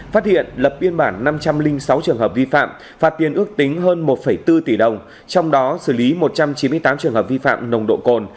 phát hiện lập biên bản năm trăm linh sáu trường hợp vi phạm phạt tiền ước tính hơn một bốn tỷ đồng trong đó xử lý một trăm chín mươi tám trường hợp vi phạm nồng độ cồn